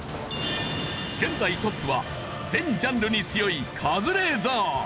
現在トップは全ジャンルに強いカズレーザー。